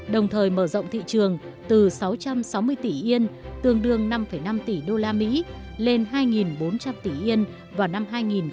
đồng thời mở rộng thị trường từ sáu trăm sáu mươi tỷ yên tương đương năm năm tỷ usd lên hai bốn trăm linh tỷ yên vào năm hai nghìn một mươi bảy